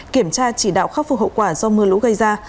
kiểm tra chỉ đạo khắc phục hậu quả do mưa lũ gây ra